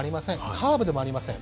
カーブでもありません。